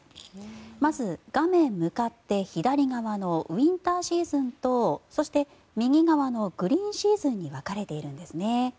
まず画面向かって左側のウィンターシーズンとそして右側のグリーンシーズンに分かれているんですね。